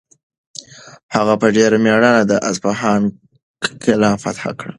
هغه په ډېر مېړانه د اصفهان کلا فتح کړه.